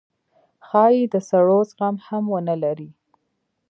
ښايي د سړو زغم هم ونه لرئ